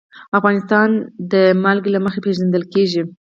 افغانستان د نمک له مخې پېژندل کېږي.